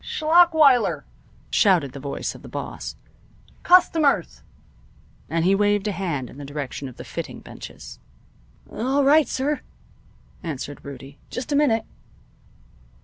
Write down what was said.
"Schlachweiler!" shouted the voice of the boss. "Customers!" and he waved a hand in the direction of the fitting benches. "All right, sir," answered Rudie. "Just a minute."